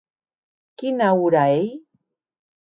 Quina ora ei?